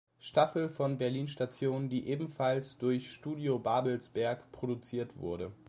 Staffel von "Berlin Station", die ebenfalls durch Studio Babelsberg produziert wurde.